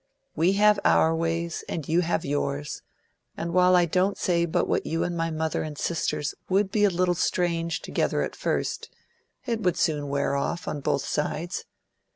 "We have our ways, and you have yours; and while I don't say but what you and my mother and sisters would be a little strange together at first, it would soon wear off, on both sides.